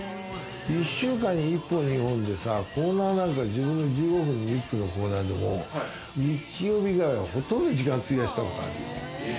１週間に１本、２本でさ、コーナーなんか１５分２０分のコーナーでも日曜日以外は、ほとんど時間費やしたことある。